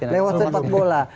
lewat sepak bola